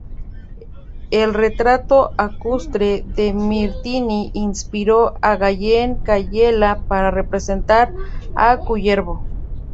El "Retrato ecuestre" de Martini inspiró a Gallen-Kallela para representar a Kullervo.